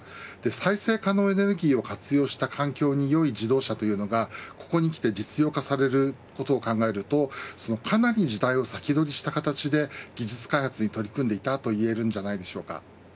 再生可能エネルギーを活用した環境に良い自動車というのがここにきて実用化されることを考えるとかなり時代を先取りした形で技術開発に取り組んでいたといえるんじゃないでしょうか。